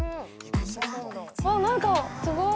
◆あっなんかすごい。